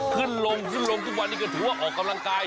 ขึ้นลงขึ้นลงทุกวันนี้ก็ถือว่าออกกำลังกาย